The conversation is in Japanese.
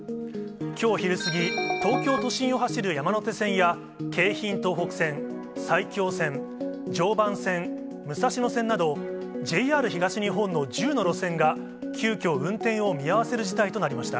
きょう昼過ぎ、東京都心を走る山手線や京浜東北線、埼京線、常磐線、武蔵野線など、ＪＲ東日本の１０の路線が急きょ、運転を見合わせる事態となりました。